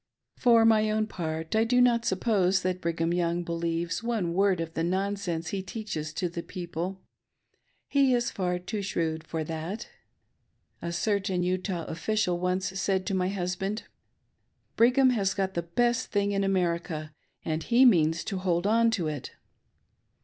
For: my own part I do not suppose that Brigham Young believes one word of the nonsense he teaches to the people — he is far too shrewd for that ! A certain Utah official once said to my hasband, " Brigham has got the best thing in America, and he means to hold on to it."